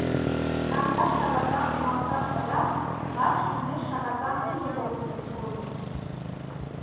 Кандаш шагатлан тӱҥалшаш ылят, лач индеш шагатлан иже погынен шуыныт.